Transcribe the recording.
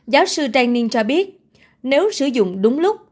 giáo sư denning cho biết nếu sử dụng đúng lúc